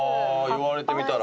言われてみたら。